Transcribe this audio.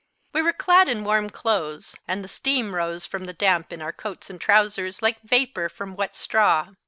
We were clad in warm clothes, and the steam rose from the damp in our coats and trousers like vapour from wet straw.